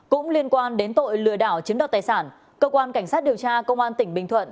cũng liên quan đến tội lừa đảo chiếm đoạt tài sản cơ quan cảnh sát điều tra công an tỉnh bình thuận